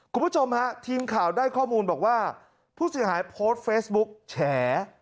คุณผู้ชมฮะทีมข่าวได้ข้อมูลบอกว่าผู้เสียหายโพสต์เฟซบุ๊กแฉ